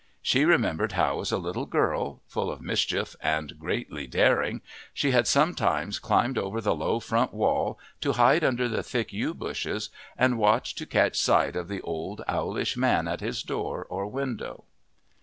She remembered how as a little girl, full of mischief and greatly daring, she had sometimes climbed over the low front wall to hide under the thick yew bushes and watch to catch a sight of the owlish old man at his door or window.